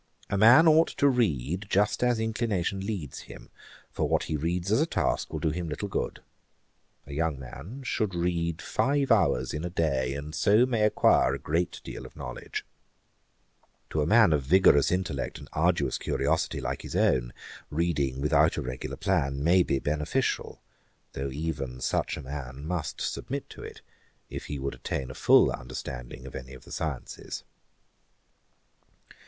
A man ought to read just as inclination leads him; for what he reads as a task will do him little good. A young man should read five hours in a day, and so may acquire a great deal of knowledge.' [Page 429: Johnson's pension. Ætat 54.] To a man of vigorous intellect and arduous curiosity like his own, reading without a regular plan may be beneficial; though even such a man must submit to it, if he would attain a full understanding of any of the sciences.